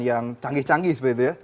yang canggih canggih seperti itu ya